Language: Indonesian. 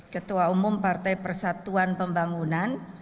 ketua umum partai persatuan pembangunan